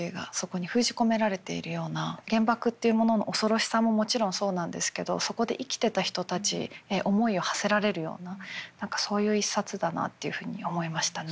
原爆っていうものの恐ろしさももちろんそうなんですけどそこで生きてた人たちへ思いをはせられるような何かそういう一冊だなっていうふうに思いましたね。